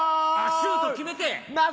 シュート決めて。